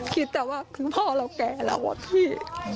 คิดแต่ว่าคุณพ่อเราแก่แล้วอะพี่